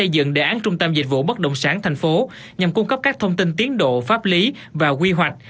đáng trung tâm dịch vụ bất động sản thành phố nhằm cung cấp các thông tin tiến độ pháp lý và quy hoạch